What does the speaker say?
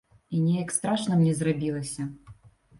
І неяк страшна мне зрабілася.